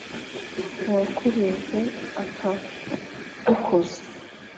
uwakureze akagukuza,